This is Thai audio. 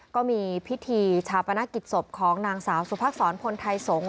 ก็มีพิธีชาปนกิจศพของนางสาวสุภักษรพลไทยสงฆ